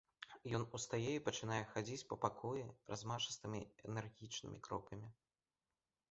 Ён устае і пачынае хадзіць па пакоі размашыстымі энергічнымі крокамі.